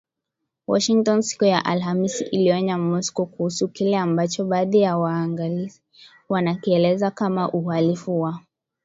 Washington siku ya Alhamis iliionya Moscow kuhusu kile ambacho baadhi ya waangalizi wanakielezea kama uhalifu wa